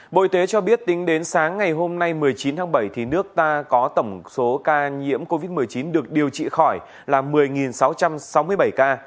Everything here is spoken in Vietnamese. bộ y tế cho biết tính đến sáng ngày hôm nay một mươi chín tháng bảy nước ta có tổng số ca nhiễm covid một mươi chín được điều trị khỏi là một mươi sáu trăm sáu mươi bảy ca